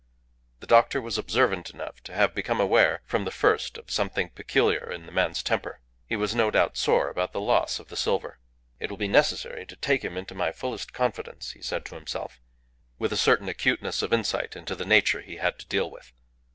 The doctor was observant enough to have become aware from the first of something peculiar in the man's temper. He was no doubt sore about the loss of the silver. "It will be necessary to take him into my fullest confidence," he said to himself, with a certain acuteness of insight into the nature he had to deal with.